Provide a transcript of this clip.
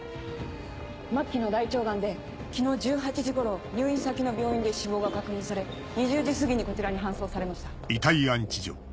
末期の大腸がんで昨日１８時頃入院先の病院で死亡が確認され２０時すぎにこちらに搬送されました。